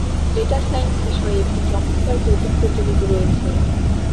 Data science বিষয়ে একটি চমৎকার কৌতুক প্রচলিত রয়েছে।